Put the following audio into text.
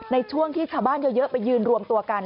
ในช่วงที่ชาวบ้านเยอะไปยืนรวมตัวกัน